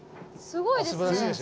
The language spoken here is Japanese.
すごいですね。